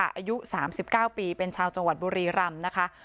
อายุ๓๙ปีเป็นชาวจังหวัดบุรีรำนะคะ